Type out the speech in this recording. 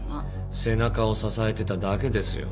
背中を支えてただけですよ。